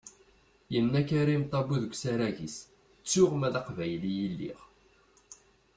Yenna Karim Tabu deg usarag-is: " ttuɣ ma d aqbayli i lliɣ."